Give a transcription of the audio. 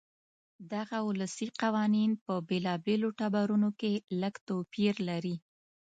دغه ولسي قوانین په بېلابېلو ټبرونو کې لږ توپیر لري.